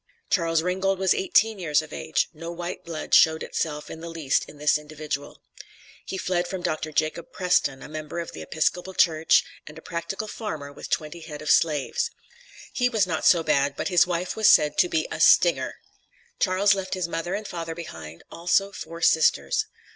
Charles Ringgold was eighteen years of age; no white blood showed itself in the least in this individual. He fled from Dr. Jacob Preston, a member of the Episcopal Church, and a practical farmer with twenty head of slaves. "He was not so bad, but his wife was said to be a 'stinger.'" Charles left his mother and father behind, also four sisters.